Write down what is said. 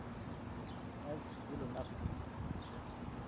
Ez wilo nafikirim.